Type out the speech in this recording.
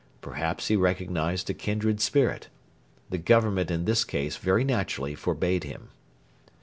Perhaps he recognised a kindred spirit. The Government in this case very naturally forbade him.